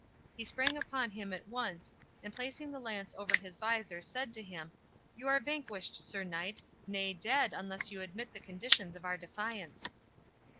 He sprang upon him at once, and placing the lance over his visor said to him, "You are vanquished, sir knight, nay dead unless you admit the conditions of our defiance."